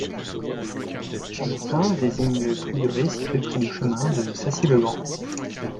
Saint-Martin désigne le prieuré situé près du chemin de Sacy-le-Grand.